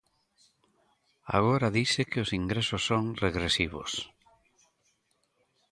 Agora dise que os ingresos son regresivos.